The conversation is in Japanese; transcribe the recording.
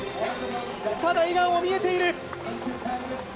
ただ笑顔も見えている。